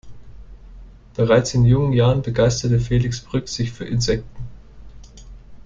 Bereits in jungen Jahren begeisterte Felix Bryk sich für Insekten.